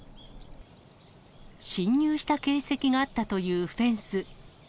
侵入した形跡があったというフェンス。